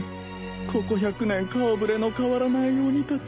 ここ１００年顔ぶれの変わらない鬼たち